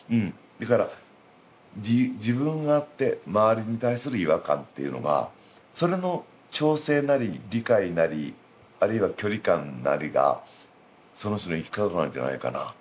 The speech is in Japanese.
だから自分があって周りに対する違和感っていうのがそれの調整なり理解なりあるいは距離感なりがその人の生き方なんじゃないかな。